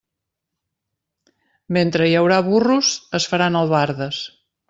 Mentre hi haurà burros es faran albardes.